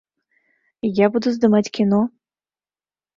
Я буду здымаць кіно.